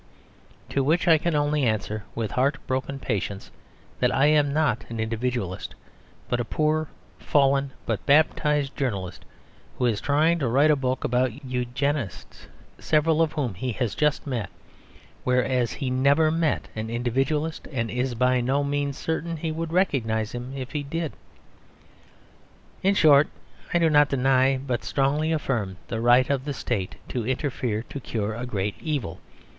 To which I can only answer, with heart broken patience, that I am not an Individualist, but a poor fallen but baptised journalist who is trying to write a book about Eugenists, several of whom he has met; whereas he never met an Individualist, and is by no means certain he would recognise him if he did. In short, I do not deny, but strongly affirm, the right of the State to interfere to cure a great evil.